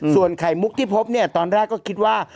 ส่วนไข่มุกที่พบเนี่ยตอนแรกก็คิดว่า